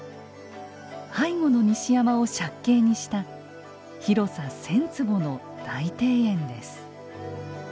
背後の西山を借景にした広さ１，０００坪の大庭園です。